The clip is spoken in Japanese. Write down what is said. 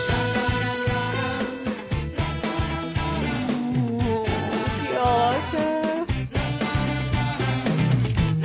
うん幸せ。